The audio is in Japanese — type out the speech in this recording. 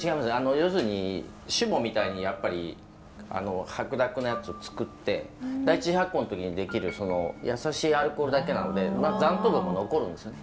要するに酒母みたいにやっぱり白濁のやつをつくって第一発酵の時に出来る優しいアルコールだけなので残糖分も残るんですよね。